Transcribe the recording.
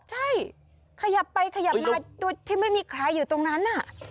ใช่ขยับไปขยับมาโดยที่ไม่มีใครอยู่ตรงนั้น